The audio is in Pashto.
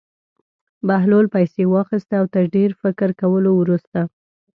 بهلول پېسې واخیستې او تر ډېر فکر کولو وروسته.